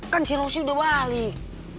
kan si rosi udah balik